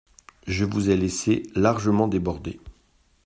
Je vous ai laissé largement déborder.